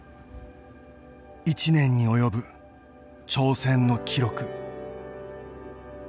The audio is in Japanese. １年に及ぶ挑戦の記録